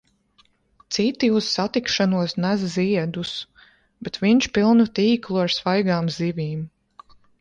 Citi uz satikšanos nes ziedus, bet viņš pilnu tīklu ar svaigām zivīm.